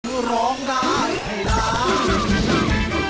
คือร้องได้ให้ร้าน